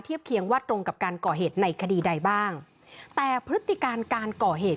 เคียงว่าตรงกับการก่อเหตุในคดีใดบ้างแต่พฤติการการก่อเหตุ